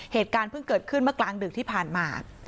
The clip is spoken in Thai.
เหตุการณ์เพิ่งเกิดขึ้นเมื่อกลางดึกที่ผ่านมา